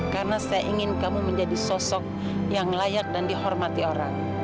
karena saya ingin kamu menjadi sosok yang layak dan dihormati orang